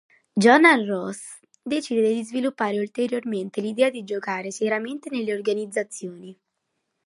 Johan Roos decise di sviluppare ulteriormente l'idea di giocare seriamente nelle organizzazioni.